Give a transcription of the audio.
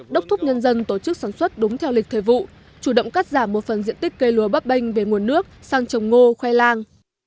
đốc thúc nhân dân tổ chức sản xuất đúng theo lịch thời vụ chủ động cắt giảm một phần diện tích cây lùa bắp bênh về nguồn nước sang trồng ngô khoe làng